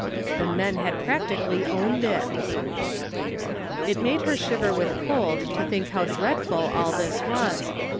The men had practically owned it ! It made her shiver with cold to think how dreadful all this was.